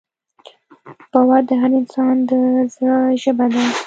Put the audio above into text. باور د هر انسان د زړه ژبه ده.